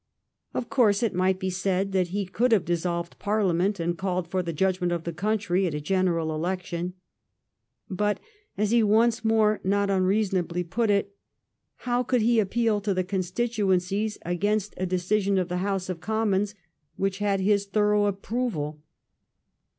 Of course, it might be said that he could have dissolved Parlia ment and called for the judgment of the country at a general election. But, as he once more not unreasonably put it. How could he appeal to the constituencies against a decision of the House of Commons which had his thorough approval